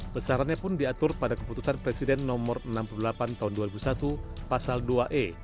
besarannya pun diatur pada keputusan presiden nomor enam puluh delapan tahun dua ribu satu pasal dua e